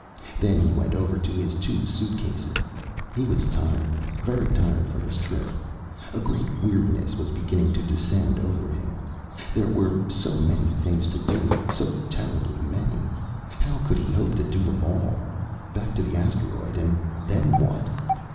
Then he went over to his two suitcases. He was tired, very tired from his trip. A great weariness was beginning to descend over him. There were so many things to do, so terribly many. How could he hope to do them all? Back to the asteroid. And then what?